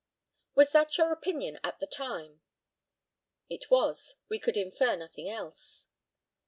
Was that your opinion at the time? It was. We could infer nothing else.